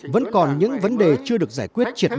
vẫn còn những vấn đề chưa được giải quyết triệt đề